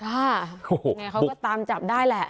ยังไงเขาก็ตามจับได้แหละ